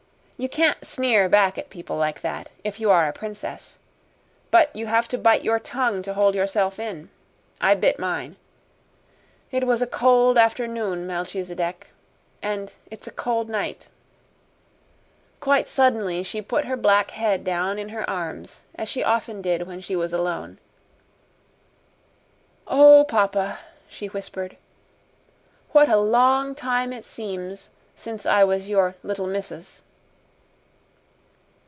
You can't sneer back at people like that if you are a princess. But you have to bite your tongue to hold yourself in. I bit mine. It was a cold afternoon, Melchisedec. And it's a cold night." Quite suddenly she put her black head down in her arms, as she often did when she was alone. "Oh, papa," she whispered, "what a long time it seems since I was your 'Little Missus'!"